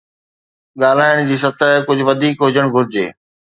ڳالهائڻ جي سطح ڪجهه وڌيڪ هجڻ گهرجي.